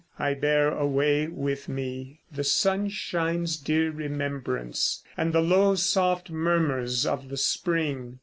I bear away with me The sunshine's dear remembrance, and the low Soft murmurs of the spring.